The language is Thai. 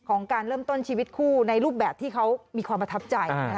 การเริ่มต้นชีวิตคู่ในรูปแบบที่เขามีความประทับใจ